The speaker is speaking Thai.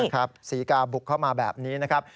ศรีกาบุกเข้ามาแบบนี้นะครับ